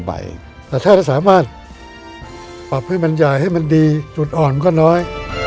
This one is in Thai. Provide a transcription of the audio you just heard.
แต่ถ้าเราสามารถปรับให้มันใหญ่ให้มันดีจุดอ่อนมันก็น้อย